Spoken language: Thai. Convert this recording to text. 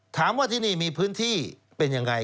ถามว่าที่นี่มีพื้นที่เป็นยังไง